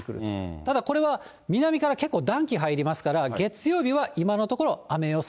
ただこれは南から結構、暖気入りますから、月曜日は今のところ、雨予想。